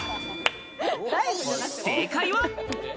正解は。